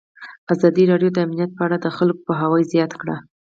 ازادي راډیو د امنیت په اړه د خلکو پوهاوی زیات کړی.